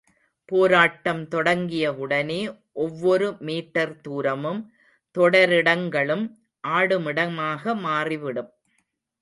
போராட்டம் தொடங்கியவுடனே, ஒவ்வொரு மீட்டர் தூரமும் தொடரிடங்களும் ஆடுமிடமாக மாறிவிடும்.